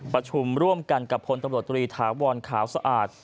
ประชุมร่วมกันกับพลตำรวจตรีถาวรขาวสะอาด